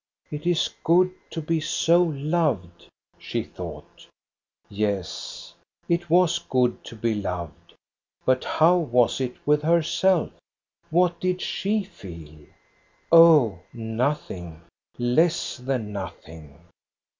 " It is good to be so loved," she thought. Yes, it was good to be loved, but how was it with herself? What did she feel? Oh, nothing, less than nothing